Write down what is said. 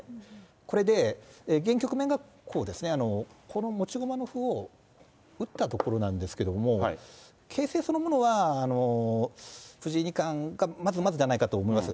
これで現局面がこうですね、この持ち駒の歩を打ったところなんですけども、形成そのものは藤井二冠がまずまずじゃないかと思います。